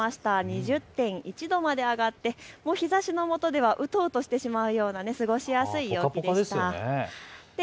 ２０．１度まで上がって日ざしのもとではうとうとしてしまうような過ごしやすい陽気でした。